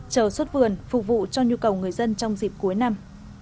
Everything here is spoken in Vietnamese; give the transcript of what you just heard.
chờ xuất vườn phục vụ cho nhu cầu người dân trong dịp cuối năm